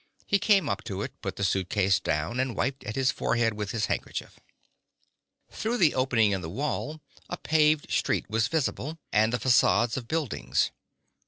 He came up to it, put the suitcase down, and wiped at his forehead with his handkerchief. Through the opening in the wall a paved street was visible, and the facades of buildings.